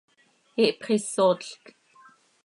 Ihpxisootlc.